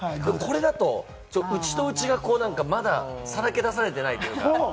これだと内と内がまださらけ出されてないというか。